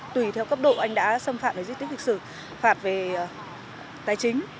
tùy theo cấp độ anh đã xâm phạm đến di tích lịch sử phạt về tài chính